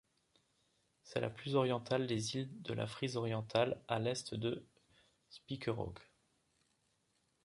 C'est la plus orientale des Îles de la Frise-Orientale à l'est de Spiekeroog.